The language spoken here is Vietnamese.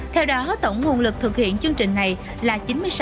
theo đó tổng nguồn lực thực hiện chương trình này là